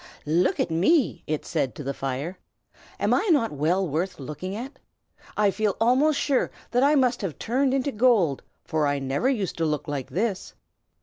"Look at me!" it said to the fire. "Am I not well worth looking at? I feel almost sure that I must have turned into gold, for I never used to look like this.